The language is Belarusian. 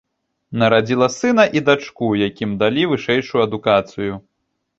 Нарадзіла сына і дачку, якім далі вышэйшую адукацыю.